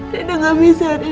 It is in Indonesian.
rina gak bisa ada di sini